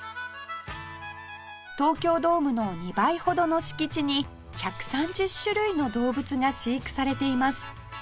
東京ドームの２倍ほどの敷地に１３０種類の動物が飼育されています